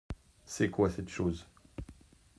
C’est quoi cette chose ?